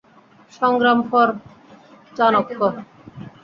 সংগ্রাম ফর চাণক্য।